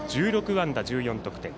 １６安打、１４得点。